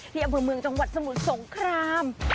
อำเภอเมืองจังหวัดสมุทรสงคราม